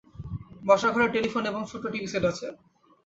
বসার ঘরে টেলিফোন এবং ছোট্ট টিভি সেট আছে।